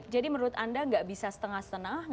jadi menurut anda tidak bisa setengah setenah